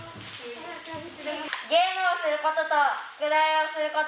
ゲームをすることと宿題をすること。